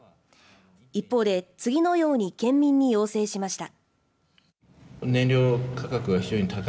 一方で次のように県民に要請しました。